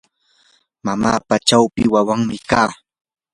mamapa chawpi wawanmi kaa.